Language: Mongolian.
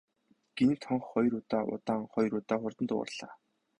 Гэнэт хонх хоёр удаа удаан, хоёр удаа хурдан дуугарлаа.